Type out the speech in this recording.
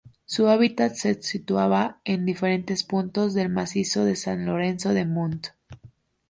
Su hábitat se situaba en diferentes puntos del macizo de San Lorenzo de Munt.